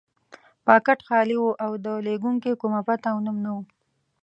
پاکټ خالي و او د لېږونکي کومه پته او نوم نه و.